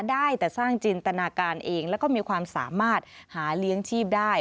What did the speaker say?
ได้แต่สร้างจินตนาการเองแล้วก็มีความสามารถหาเลี้ยงชีพได้